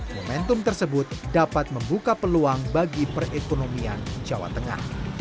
momentum tersebut dapat membuka peluang bagi perekonomian jawa tengah